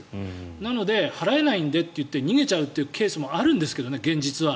なので、払えないのでって言って逃げちゃうっていうケースもあるんですけど、現実は。